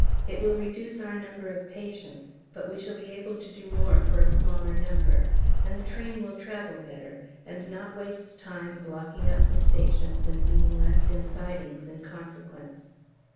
It will reduce our number of patients, but we shall be able to do more for a smaller number, and the train will travel better and not waste time blocking up the stations and being left in sidings in consequence.